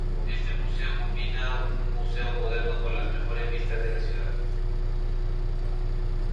Este museo combina un museo moderno con las mejores vistas de la ciudad.